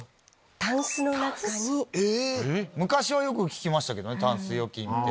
タンス⁉昔はよく聞きましたけどねタンス預金。